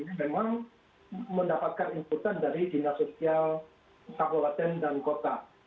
ini memang mendapatkan inputan dari dinas sosial kabupaten dan kota